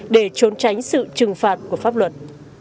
để trốn tránh sự trừng phạt của pháp luật